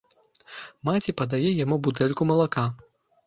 Маці падае яму бутэльку малака.